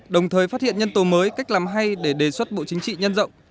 đồng thời phát hiện nhân tố mới cách làm hay để đề xuất bộ chính trị nhân rộng